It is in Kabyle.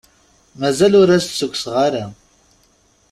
Mazal ur as-d-ssukkseɣ ara.